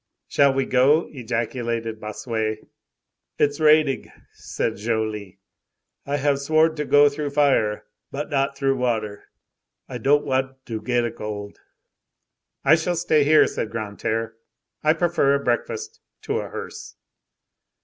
"Shall we go?" ejaculated Bossuet. "It's raiding," said Joly. "I have sworn to go through fire, but not through water. I don't wand to ged a gold." "I shall stay here," said Grantaire. "I prefer a breakfast to a hearse."